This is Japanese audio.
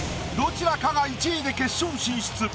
どちらかが１位で決勝進出